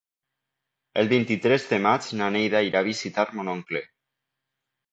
El vint-i-tres de maig na Neida irà a visitar mon oncle.